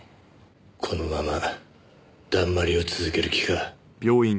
このままだんまりを続ける気か？